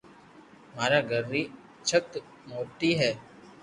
مارآ گھر ري چت موتي ھي